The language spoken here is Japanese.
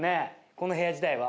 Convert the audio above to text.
この部屋自体は。